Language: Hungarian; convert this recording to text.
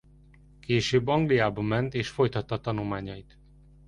Később Angliába ment és folytatta tanulmányait.